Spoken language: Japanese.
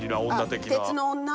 「鉄の女」？